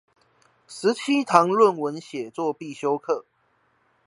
十七堂論文寫作必修課